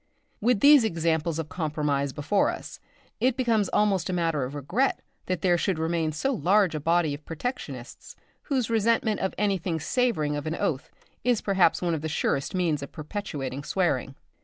With these examples of compromise before us, it becomes almost a matter for regret that there should remain so large a body of protectionists whose resentment at anything savouring of an oath is perhaps one of the surest means of perpetuating swearing.